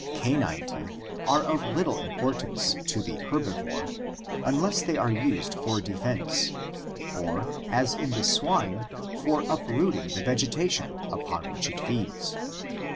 Canine teeth are of little importance to the herbivore unless they are used for defense (musk deer), or as in the swine for uprooting the vegeta tion upon which it feeds.